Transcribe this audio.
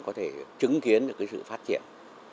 có thể chứng kiến được cái sự phát triển